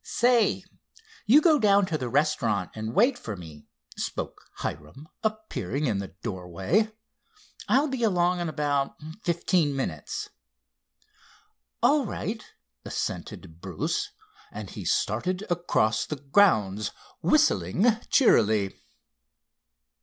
"Say, you go down to the restaurant and wait for me," spoke Hiram, appearing in the doorway. "I'll be along in about fifteen minutes." "All right," assented Bruce, and he started across the grounds, whistling cheerily.